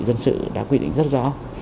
chị đã quyết định rất rõ